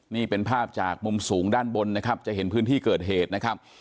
นี่เป็นภาพจากมุมสูงด้านบนนะครับจะเห็นพื้นที่เกิดเหตุนะครับ